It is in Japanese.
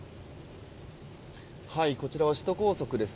こちらは首都高速です。